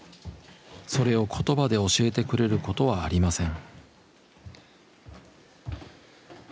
それを言葉で教えてくれることはありません。